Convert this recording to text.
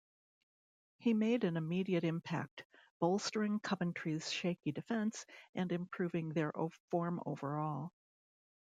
He made an immediate impact, bolstering Coventry's shaky defence and improving their form overall.